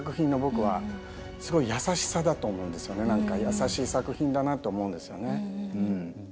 優しい作品だなと思うんですよね。